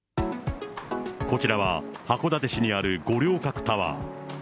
こちらは、函館市にある五稜郭タワー。